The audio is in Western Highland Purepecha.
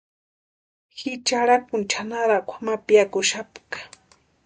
Ji charhakuni chʼanarakwa ma piakuxapka.